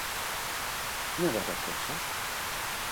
Nuevos recursos: